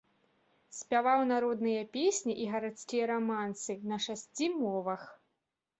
Спяваў народныя песні і гарадскія рамансы на шасці мовах.